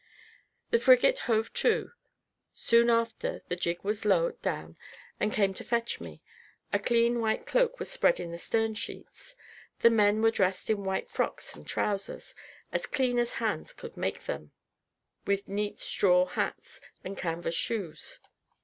The frigate hove to; soon after, the gig was lowered down, and came to fetch me; a clean white cloak was spread in the stern sheets: the men were dressed in white frocks and trousers, as clean as hands could make them, with neat straw hats, and canvas shoes.